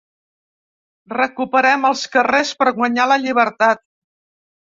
“Recuperem els carrers per guanyar la llibertat”.